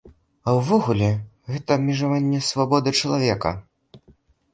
А ўвогуле, гэта абмежаванне свабоды чалавека.